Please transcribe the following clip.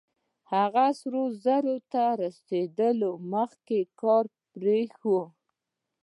هغه سرو زرو ته تر رسېدو مخکې کار پرېښی و.